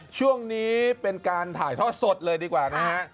ช่วงนี้เป็นการถ่ายทอดสดเลยดีกว่านะฮะ